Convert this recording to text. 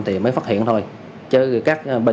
thì mới phát hiện thôi